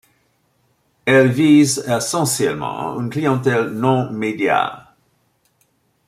Elles visent essentiellement une clientèle non-médias.